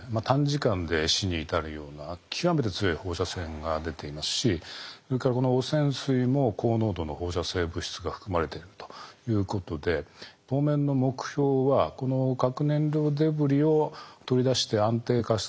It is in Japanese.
短時間で死に至るような極めて強い放射線が出ていますしそれからこの汚染水も高濃度の放射性物質が含まれているということで当面の目標はこの核燃料デブリを取り出して安定化させてですね